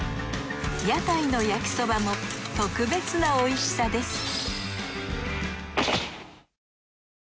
屋台の焼きそばも特別なおいしさです